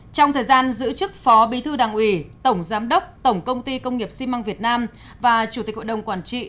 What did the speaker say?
trong thời gian giữ chức phó bí thư đảng ủy tổng giám đốc tổng công ty công nghiệp xi măng việt nam và chủ tịch hội đồng quản trị